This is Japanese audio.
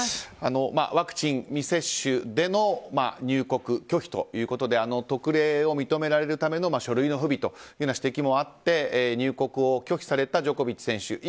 ワクチン未接種での入国拒否ということで特例を認められるための書類の不備というような指摘もあって、入国を拒否されたジョコビッチ選手。